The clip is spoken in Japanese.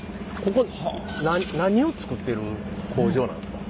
ここ何を作ってる工場なんですか？